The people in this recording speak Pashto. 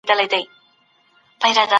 روښانه فکر درد نه خپروي.